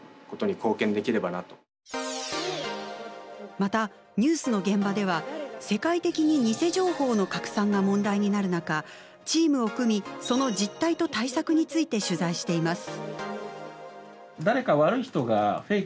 またニュースの現場では世界的に偽情報の拡散が問題になる中チームを組みその実態と対策について取材しています。